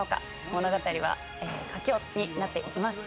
物語は佳境になっていきます。